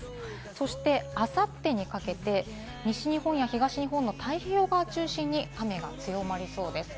そして、あさってにかけて西日本や東日本の太平洋側を中心に雨が強まりそうです。